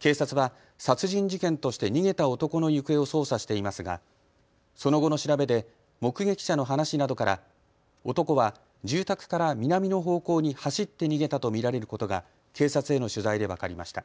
警察は殺人事件として逃げた男の行方を捜査していますがその後の調べで目撃者の話などから男は住宅から南の方向に走って逃げたと見られることが警察への取材で分かりました。